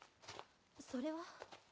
それは？